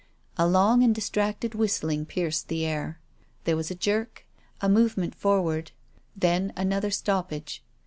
A long and distracted whistling pierced the air. There was a jerk, a movement forward, then another stoppage.